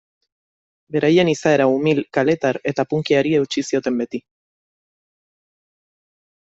Beraien izaera umil, kaletar eta punkyari eutsi zioten beti.